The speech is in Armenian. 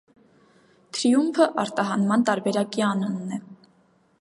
«Թրիումփը» արտահանման տարբերակի անունն է։